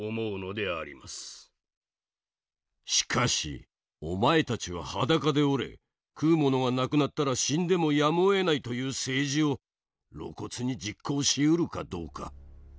しかしお前たちは裸でおれ食うものが無くなったら死んでもやむをえないという政治を露骨に実行しうるかどうか。